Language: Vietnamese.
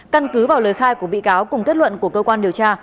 căn cứ vào lời khai của bị cáo cùng kết luận của cơ quan điều tra